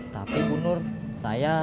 tapi bu nur saya